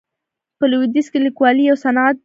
په لویدیځ کې لیکوالي یو صنعت دی.